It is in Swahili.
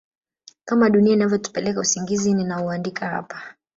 kama dunia inavyotupeleka Usingizi ninaouandika hapa